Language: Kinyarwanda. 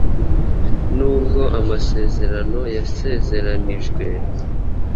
Nubwo amasezerano yasezeranijwe